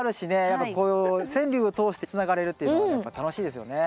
やっぱこう川柳を通してつながれるっていうのはやっぱ楽しいですよね。